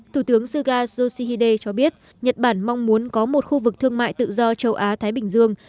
thủ tướng suga yoshihide cho biết nhật bản mong muốn có một khu vực thương mại tự do châu á thái bình dương